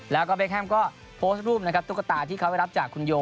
แล้วก็เบคแฮมก็โพสต์รูปนะครับตุ๊กตาที่เขาไปรับจากคุณโย